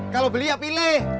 kalau beli ya pilih